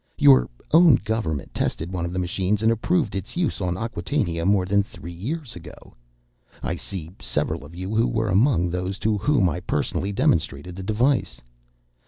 "Your own Government tested one of the machines and approved its use on Acquatainia more than three years ago. I see several of you who were among those to whom I personally demonstrated the device.